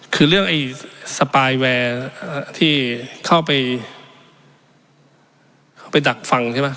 คือเรื่องไอ้สปายแวร์ที่เข้าไปดักฟังใช่ไหม